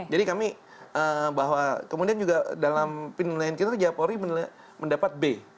jadi kami bahwa kemudian juga dalam pilihan kita juga polri mendapat b